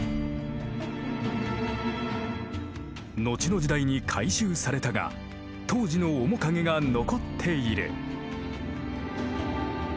後の時代に改修されたが当時の面影が残っている。